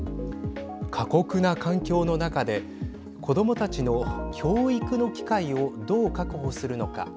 過酷な環境の中で子どもたちの教育の機会をどう確保するのか。